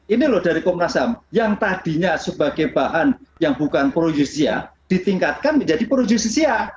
ini loh dari komnas ham yang tadinya sebagai bahan yang bukan pro justia ditingkatkan menjadi pro justisia